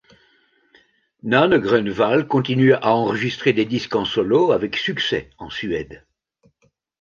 Nanne Grönvall continue à enregistrer des disques en solo avec succès en Suède.